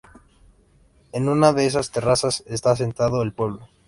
En una de esas terrazas está asentado el pueblo.